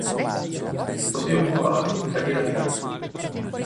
Fu così occupato dagli italiani.